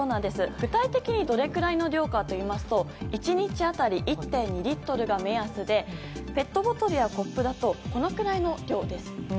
具体的にどれくらいの量かといいますと１日当たり１．２リットルが目安でペットボトルやコップだとこのくらいの量です。